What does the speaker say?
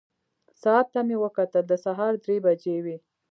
ساعت ته مې وکتل، د سهار درې بجې وې.